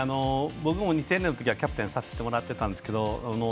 僕も２戦目のときはキャプテンをさせてもらったんですけど